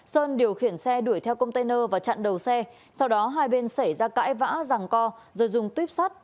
sơn điều khiển xe đuổi theo container và chặn đầu xe sau đó hai bên xảy ra cãi vã rằng co rồi dùng tuyếp sắt